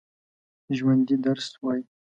ژوندي درس وايي